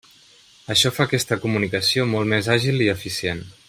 Això fa aquesta comunicació molt més àgil i eficient.